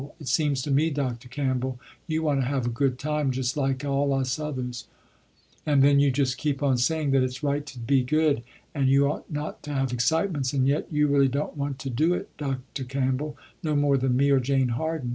It seems to me, Dr. Campbell you want to have a good time just like all us others, and then you just keep on saying that it's right to be good and you ought not to have excitements, and yet you really don't want to do it Dr. Campbell, no more than me or Jane Harden.